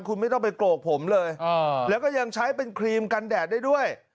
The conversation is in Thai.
คุณไม่ต้องไปโกกผมเลยแล้วก็ยังใช้เป็นครีมกันแดดได้ด้วย